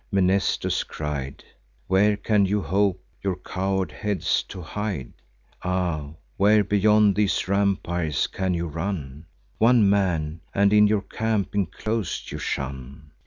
Mnestheus cried, "Where can you hope your coward heads to hide? Ah! where beyond these rampires can you run? One man, and in your camp inclos'd, you shun!